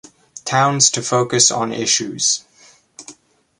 Towns to focus on issues.